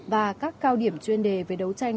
và các cao điểm chuyên đề về đấu tranh